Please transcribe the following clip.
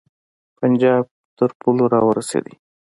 پنجاب تر پولو را ورسېدی.